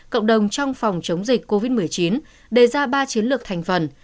cộng đồng trong phòng chống dịch covid một mươi chín đề ra ba chiến lược thành phần